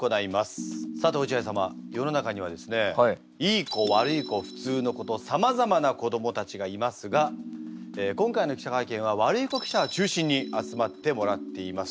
世の中にはですねいい子悪い子普通の子とさまざまな子どもたちがいますが今回の記者会見は悪い子記者を中心に集まってもらっています。